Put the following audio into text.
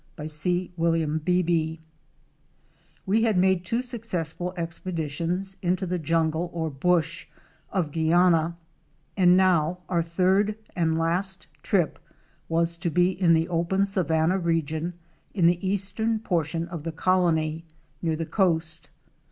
(By C. William Beebe). E had made two successful expeditions into the jungle or "bush"' of Guiana, and now our third and last trip was to be in the open savanna region in the eastern portion of the Colony, near the coast.